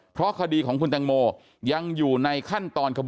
เพราะคดีของคุณตังโมยังอยู่ในขั้นตอนขบวน